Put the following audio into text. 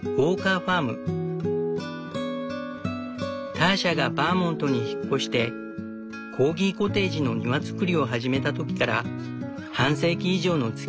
ターシャがバーモントに引っ越してコーギコテージの庭造りを始めた時から半世紀以上のつきあいになる。